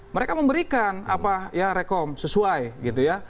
mereka memberikan apa ya rekom sesuai gitu ya